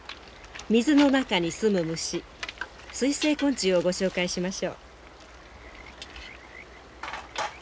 水の中にすむ虫水生昆虫をご紹介しましょう。